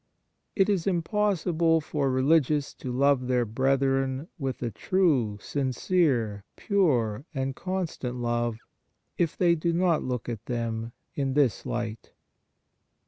It is impossible for religious to love their brethren "with a true, sincere, pure, and con stant love if they do not look at them in this light.